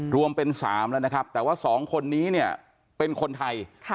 รวมเป็น๓แล้วนะครับแต่ว่า๒คนนี้เนี่ยเป็นคนไทย